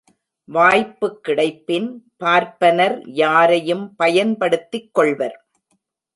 வாய்ப்புக்கிடைப்பின் பார்ப்பனர் யாரையும் பயன்படுத்திக் கொள்வர்.